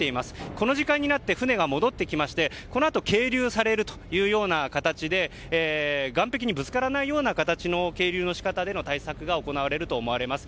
この時間になって船が戻ってきましてこのあと係留される形で岸壁にぶつからないような形の係留が行われると思われます。